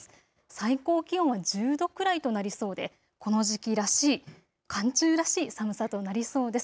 最高気温は１０度くらいとなりそうでこの時期らしい、寒中らしい寒さとなりそうです。